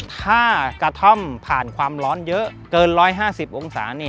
ถ้ากระท่อมผ่านความร้อนเยอะเกิน๑๕๐องศา